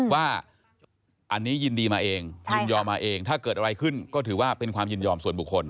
ว่าอันนี้ยินดีมาเองยินยอมมาเองถ้าเกิดอะไรขึ้นก็ถือว่าเป็นความยินยอมส่วนบุคคล